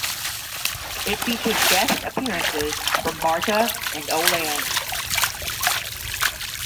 It features guest appearances from Marta and Oh Land.